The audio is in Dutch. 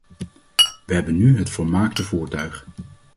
We hebben nu het volmaakte voertuig.